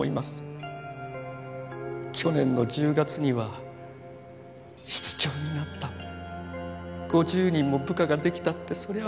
去年の１０月には室長になった５０人も部下が出来たってそりゃあ